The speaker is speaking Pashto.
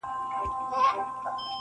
لږ وزړه ته مي ارام او سکون غواړم,